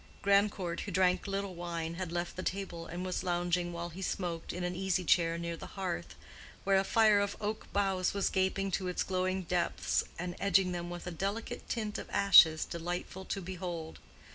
Grandcourt, who drank little wine, had left the table and was lounging, while he smoked, in an easy chair near the hearth, where a fire of oak boughs was gaping to its glowing depths, and edging them with a delicate tint of ashes delightful to behold.